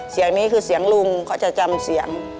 เสียงนี้คือเสียงลุงเขาจะจำเสียง